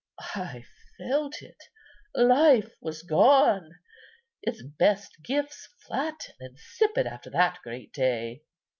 I felt it; life was gone; its best gifts flat and insipid after that great day.